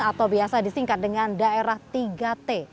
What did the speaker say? atau biasa disingkat dengan daerah tiga t